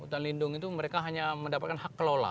hutan lindung itu mereka hanya mendapatkan hak kelola